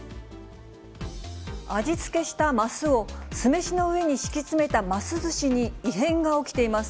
味付けしたますを、酢飯の上に敷き詰めたますずしに異変が起きています。